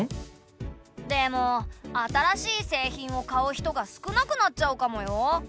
でも新しい製品を買う人が少なくなっちゃうかもよ。